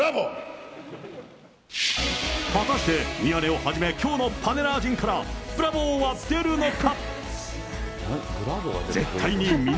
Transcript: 果たして、宮根をはじめ、きょうのパネラー陣からブラボーは出るのか。